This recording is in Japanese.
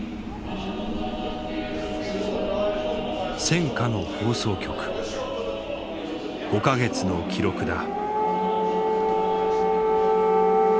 戦火の放送局５か月の記録だ。